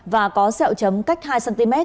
và có sẹo chấm cách hai cm